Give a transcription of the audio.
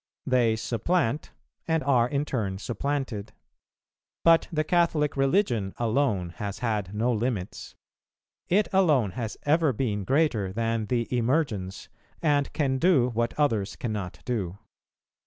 They supplant and are in turn supplanted. But the Catholic religion alone has had no limits; it alone has ever been greater than the emergence, and can do what others cannot do.